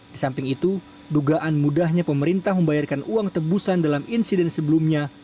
di samping itu dugaan mudahnya pemerintah membayarkan uang tebusan dalam insiden sebelumnya